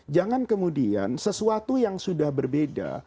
jangan kemudian sesuatu yang sudah berbeda